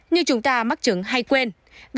như chúng ta mắc chứng hay quên